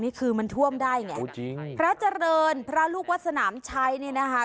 นี่คือมันท่วมได้ไงพระเจริญพระลูกวัดสนามชัยเนี่ยนะคะ